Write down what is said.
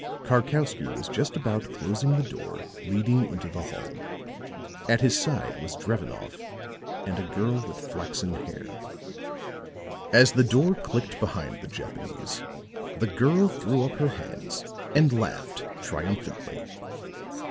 Karkowsky was just about closing the door leading into the hall; at his side was Drevenoff and a girl with flaxen hair. As the door clicked behind the Japanese the girl threw up her hands and laughed triumphantly.